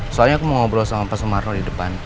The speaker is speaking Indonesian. soalnya aku mau ngobrol sama pak sumarno di depan